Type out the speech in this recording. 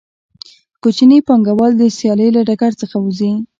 کوچني پانګوال د سیالۍ له ډګر څخه وځي